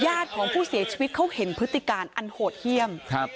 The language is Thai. ของผู้เสียชีวิตเขาเห็นพฤติการอันโหดเยี่ยมครับ